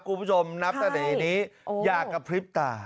คุณผู้ชมนับถอยนี้อยากกระพริบตา